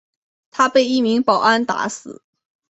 他被一名保安打死。